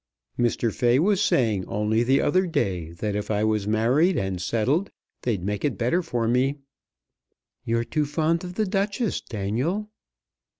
"Mr. Fay was saying only the other day that if I was married and settled they'd make it better for me." "You're too fond of The Duchess, Daniel."